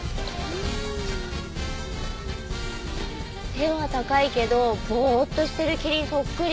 背は高いけどボーッとしてるキリンそっくり。